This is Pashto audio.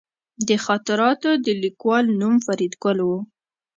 د خاطراتو د لیکوال نوم فریدګل و